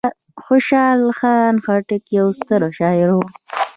خوشحال خان خټک یو ستر شاعر و.